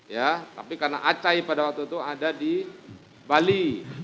ya tapi karena acai pada waktu itu ada di bali